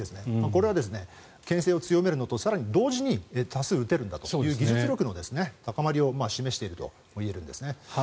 これはけん制を強めるのと更に同時に多数撃てるんだという技術力の高まりを示していると見えるんですね。